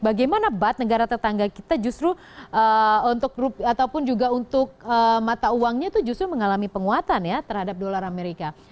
bagaimana bat negara tetangga kita justru ataupun juga untuk mata uangnya itu justru mengalami penguatan ya terhadap dolar amerika